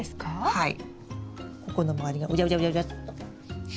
はい。